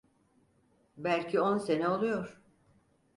Belki on sene oluyor…